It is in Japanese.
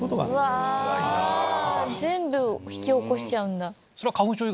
全部引き起こしちゃうんだ。